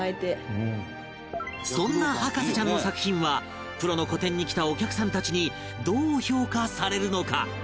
そんな博士ちゃんの作品はプロの個展に来たお客さんたちにどう評価されるのか？